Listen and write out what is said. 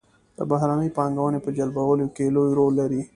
د بهرنۍ پانګونې په جلبولو کې لوی رول لري.